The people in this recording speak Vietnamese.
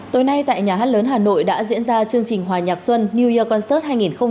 tối nay tại nhà hát lớn hà nội đã diễn ra chương trình hòa nhạc xuân new year concert hai nghìn hai mươi bốn